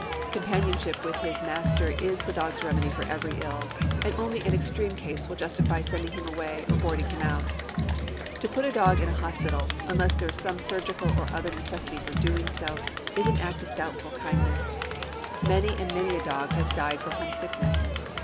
Companionship with his master is the dog's remedy for every ill, and only an extreme case will justify sending him away or boarding him out. To put a dog in a hospital, unless there is some surgical or other like necessity for doing so, is an act of doubtful kindness. Many and many a dog has died from homesickness.